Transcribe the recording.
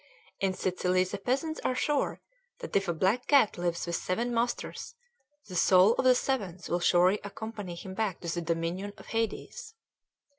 In Sicily the peasants are sure that if a black cat lives with seven masters, the soul of the seventh will surely accompany him back to the dominion of Hades.